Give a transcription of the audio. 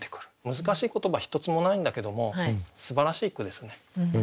難しい言葉一つもないんだけどもすばらしい句ですね。